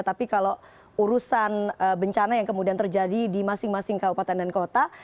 tapi kalau urusan bencana yang kemudian terjadi di masing masing kabupaten dan kota